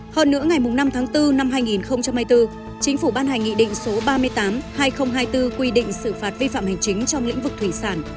hơn nữa ngày năm tháng bốn năm hai nghìn hai mươi bốn chính phủ ban hành nghị định số ba mươi tám hai nghìn hai mươi bốn quy định xử phạt vi phạm hành chính trong lĩnh vực thủy sản